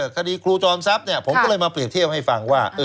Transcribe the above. ครูจอมทรัพย์ผมก็เลยมาเปรียบเทียบให้ฟังว่า